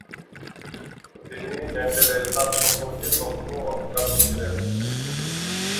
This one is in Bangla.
তিনি মেন্ডেলের কাজ সম্পর্কে তখনও অজ্ঞাত ছিলেন।